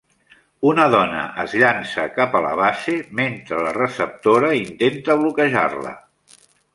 Una dona es llança cap a la base mentre la receptora intenta bloquejar-la.